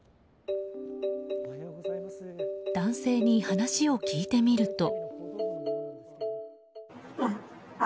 男性に話を聞いてみると。